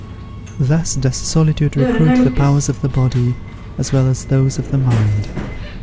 Thus does solitude recruit the powers of the body as well as those of the mind.